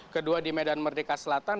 kedua di medan merdeka selatan